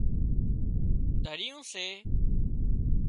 دريون سي